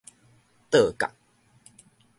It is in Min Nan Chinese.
桌角